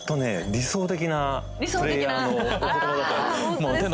理想的なプレイヤーのお言葉だと思います。